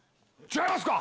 違いますか。